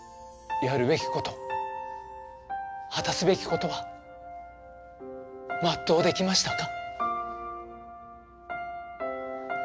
やるべきこと果たすべきことは全うできましたか？